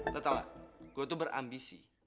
lo tau gak gue tuh berambisi